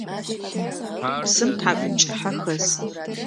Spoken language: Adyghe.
Псым тхьакӏумкӏыхьэ хэс.